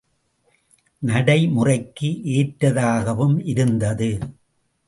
நடைமுறைக்கு ஏற்றதாகவும் இருந்தது.